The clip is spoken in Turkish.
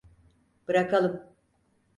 Bırakalım.